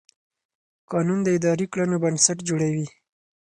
قانون د اداري کړنو بنسټ جوړوي.